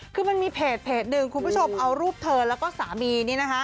คือมันมีเพจหนึ่งคุณผู้ชมเอารูปเธอแล้วก็สามีนี่นะคะ